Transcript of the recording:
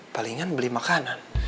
palingan beli makanan